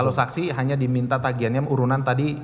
kalau saksi hanya diminta tagiannya urunan tadi